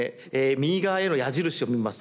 右側への矢印を見ます。